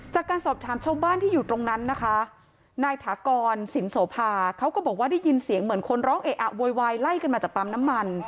จากการสอบถามชาวบ้านที่อยู่ตรงนั้นนะคะนายถากรสินโสภาเขาก็บอกว่าได้ยินเสียงเหมือนคนร้องเอะอะโวยวายไล่กันมาจากปั๊มน้ำมัน